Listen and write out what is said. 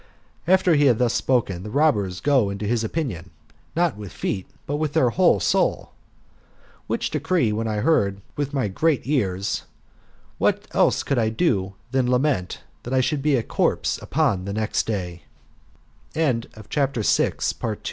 After he had thus spoken, the robbers go into his opinion, not with feet, but with their whole soul. Which decree when I heard with my great ears, what else could I do than lament that I should be a corpse on the next